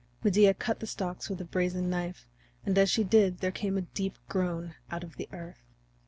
Medea cut the stalks with a brazen knife, and as she did there came a deep groan out of the earth.